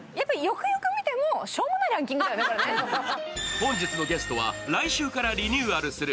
本日のゲストは来週月曜からリニューアルする